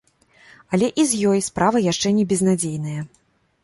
Але і з ёй справа яшчэ не безнадзейная.